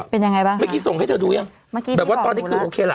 เป็นยังไงบ้างเมื่อกี้ส่งให้เธอดูยังเมื่อกี้แบบว่าตอนนี้คือโอเคล่ะ